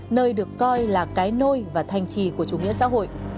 nơi được coi là cái nôi và thanh trì của chủ nghĩa xã hội